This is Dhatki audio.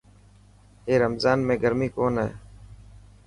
اي رمضان ۾ گرمي ڪون هي.